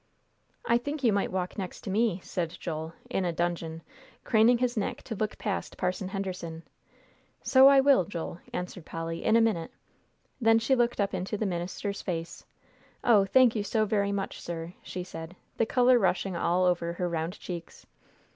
"I think you might walk next to me," said Joel, in a dudgeon, craning his neck to look past Parson Henderson. "So I will, Joel," answered Polly, "in a minute." Then she looked up into the minister's face. "Oh, thank you so very much, sir!" she said, the color rushing all over her round cheeks.